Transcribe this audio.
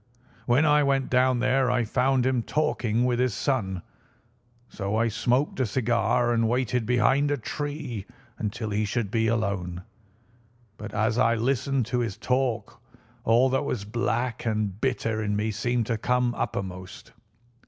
"When I went down there I found him talking with his son, so I smoked a cigar and waited behind a tree until he should be alone. But as I listened to his talk all that was black and bitter in me seemed to come uppermost.